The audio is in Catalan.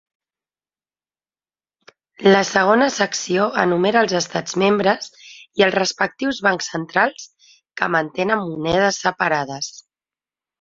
La segona secció enumera els estats membres i els respectius bancs centrals que mantenen monedes separades.